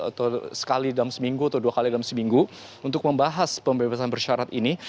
atau sekali dalam seminggu atau dua kali dalam seminggu untuk membahas pembebasan bersyarat ini